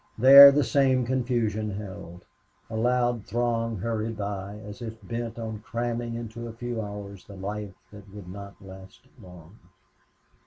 There the same confusion held. A loud throng hurried by, as if bent on cramming into a few hours the life that would not last long.